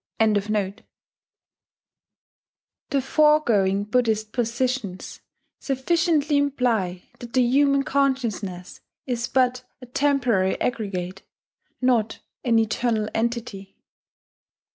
] The foregoing Buddhist positions sufficiently imply that the human consciousness is but a temporary aggregate, not an eternal entity.